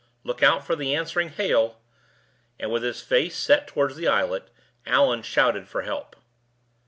"Look out for the answering, hail!" And with his face set toward the islet, Allan shouted for help.